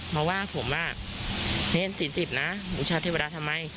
มาว่าผมว่าเน้น๔๐นะบูชาเทวดาทำไม